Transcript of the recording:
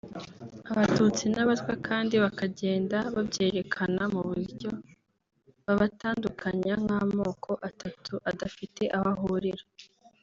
Abatutsi n’Abatwa kandi bakagenda babyerekana mu buryo babatandukanya nk’amoko atatu adafite aho ahurira